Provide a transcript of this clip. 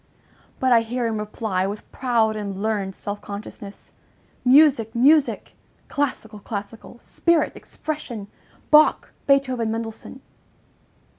But I hear him reply, with proud and learned self consciousness: "Music, music! Classical, classical! Spirit! Expression! Bach, Beethoven, Mendelssohn!"